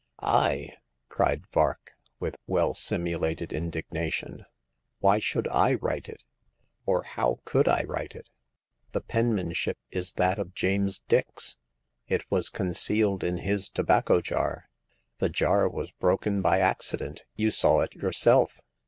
" The Coming of Hagar. 31 " I ?" cried Vark, with well simulated indigna tion, why should I write it ?— or how could I write it ? The penmanship is that of James Dix ; it was concealed in his tobacco jar ; the jar was broken by accident ; you saw it yourself.